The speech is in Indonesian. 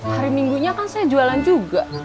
hari minggunya kan saya jualan juga